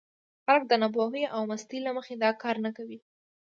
خلک د ناپوهۍ او مستۍ له مخې دا کار نه کوي.